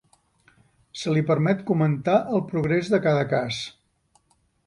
Se li permet comentar el progrés de cada cas.